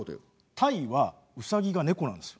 タイはウサギがネコなんですよ。